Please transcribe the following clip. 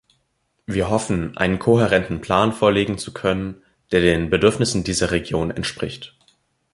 Wir hoffen, einen kohärenten Plan vorlegen zu können, der den Bedürfnissen dieser Region entspricht.